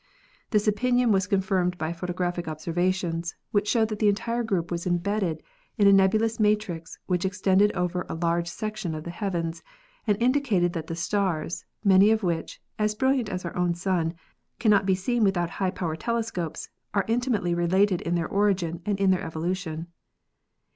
This opinion was confirmed by photographic observations, which showed that the entire group was embedded in a nebulous matrix which extended over a large section of the heavens and indicated that the stars, many of which, as brilliant as our own Sun, cannot be seen without high power telescopes, are intimately related in their origin and in their evolution.